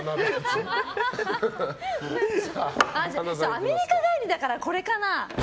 アメリカ帰りだからこれかな。